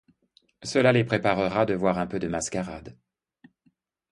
Cela les préparera de voir un peu de mascarade.